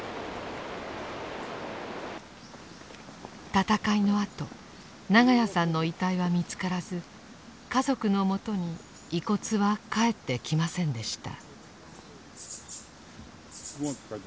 戦いのあと長屋さんの遺体は見つからず家族のもとに遺骨は還ってきませんでした。